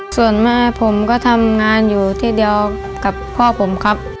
ส่วนแม่ผมก็ทำงานอยู่ที่เดียวกับพ่อผมครับ